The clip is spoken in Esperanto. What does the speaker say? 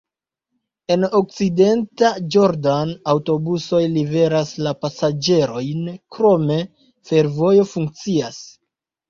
En Okcidenta Jordan aŭtobusoj liveras la pasaĝerojn, krome fervojo funkcias.